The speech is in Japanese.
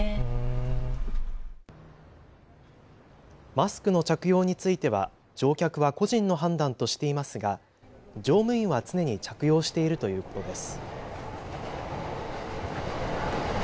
マスクの着用については乗客は個人の判断としていますが乗務員は常に着用しているということです。